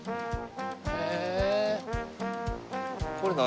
へえ！